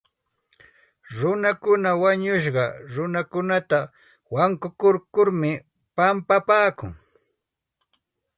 Runakuna wañushqa runakunata wankurkurmi pampapaakun.